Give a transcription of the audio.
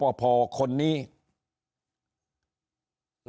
เล่าให้นักข่าวฟังแล้วสะเทือนใจมาก